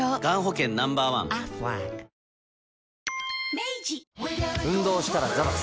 明治運動したらザバス。